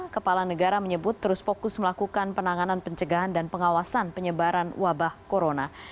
kepala negara menyebut terus fokus melakukan penanganan pencegahan dan pengawasan penyebaran wabah corona